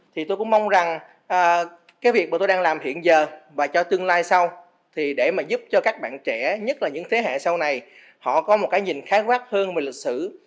thì tôi cũng mong rằng cái việc mà tôi đang làm hiện giờ và cho tương lai sau thì để mà giúp cho các bạn trẻ nhất là những thế hệ sau này họ có một cái nhìn khá quát hơn về lịch sử